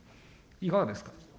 いかがですか。